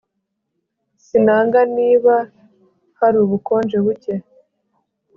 Sinanga niba hari ubukonje buke